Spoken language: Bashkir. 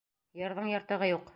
Йырҙың йыртығы юҡ!